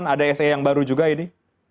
ada se yang baru juga ini